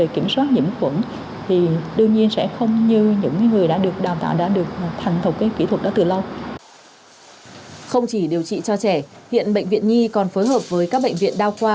không chỉ điều trị cho trẻ hiện bệnh viện nhi còn phối hợp với các bệnh viện đao qua